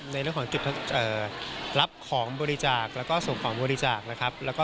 ในเรื่องของรับของบริจาคและส่งของบริจาค